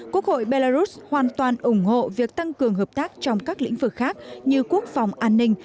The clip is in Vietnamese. quốc hội belarus hoàn toàn ủng hộ việc tăng cường hợp tác trong các lĩnh vực khác như quốc phòng an ninh